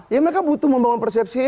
ya mereka butuh membawa persepsi ke jokowi